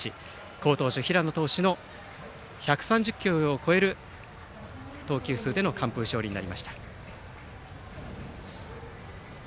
好投手、平野投手の１３０球を超える投球数での完封勝利となりました。